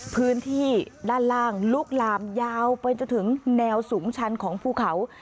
พื้นที่ด้านล่างลุกลามยาวไปจนถึงแนวสูงชันของภูเขา